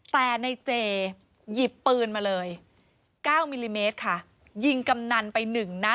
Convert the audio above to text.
แต่ในเจหยิบปืนมาเลย๙มิลลิเมตรค่ะยิงกำนันไป๑นัด